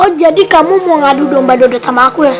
oh jadi kamu mau ngadu domba dodot sama aku ya